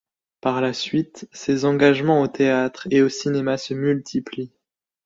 Par la suite, ses engagements au théâtre et au cinéma se multiplient.